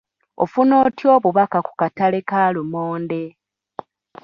Ofuna otya obubaka ku kataale ka lumonde?